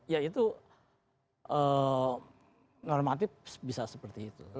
ya itu normatif bisa seperti itu